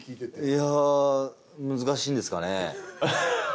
いや難しいんですかね？